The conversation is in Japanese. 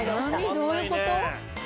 何どういうこと？